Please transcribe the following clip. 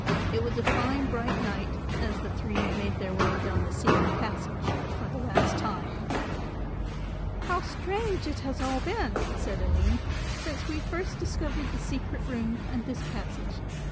It was a fine bright night as the three made their way down the secret passage for the last time. "How strange it has all been," said Aline, "since we first discovered the secret room and this passage.